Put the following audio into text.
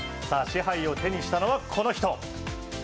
さあ、賜杯を手にしたのは、この人。